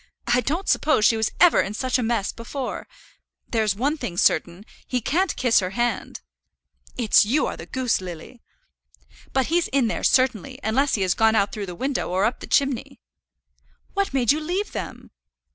I don't suppose she was ever in such a mess before. There's one thing certain, he can't kiss her hand." "It's you are the goose, Lily." "But he's in there certainly, unless he has gone out through the window, or up the chimney." "What made you leave them?"